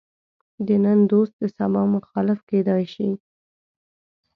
د نن دوست د سبا مخالف کېدای شي.